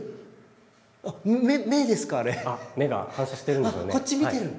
目が反射してるんでしょうね。